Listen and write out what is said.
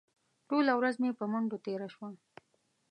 ټوله ورځ مې په منډو تېره شوه.